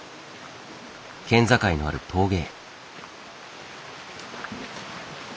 県境のある峠へ。